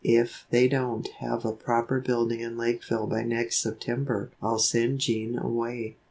If they don't have a proper building in Lakeville by next September I'll send Jean away.